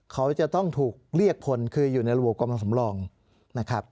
เขาจะต้องถูกเรียกพลคืออยู่ในระบบกำลังสำรองนะครับ